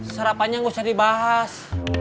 sarapannya nggak usah dibahas